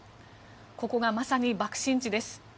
ここがまさに爆心地です。